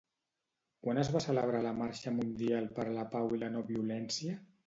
Quan es va celebrar la Marxa Mundial per la Pau i la No-Violència?